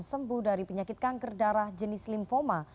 sembuh dari penyakit kanker darah jenis lymphoma